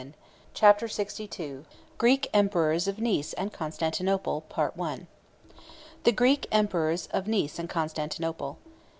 ] Chapter LXII: Greek Emperors Of Nice And Constantinople.—Part I. The Greek Emperors Of Nice And Constantinople.